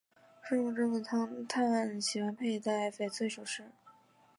生活中的汤灿喜欢佩戴翡翠首饰。